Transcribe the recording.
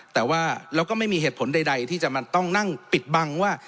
แต่ว่าเราก็ไม่มีเหตุผลใดที่จะมันต้องนั่งปิดบังว่า